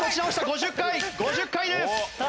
５０回５０回です。